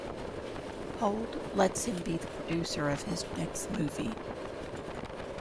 Hold lets him be the producer of his next movie.